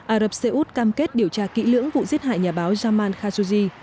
ả rập xê út cam kết điều tra kỹ lưỡng vụ giết hại nhà báo zaman khashugi